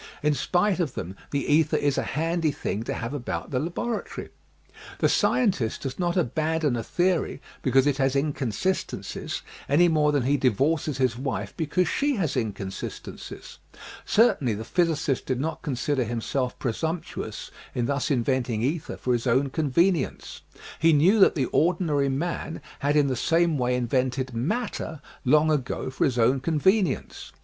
In spite of them the ether is a handy thing to have about the laboratory. The scientist does not abandon a theory because it has inconsistencies any more than he di vorces his wife because she has inconsistencies. Cer tainly the physicist did not consider himself presump tuous in thus inventing ether for his own convenience. He knew that the ordinary man had in the same way invented " matter " long ago for his own convenience.